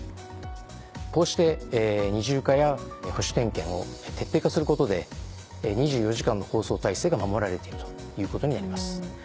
こうして二重化や保守点検を徹底化することで２４時間の放送体制が守られているということになります。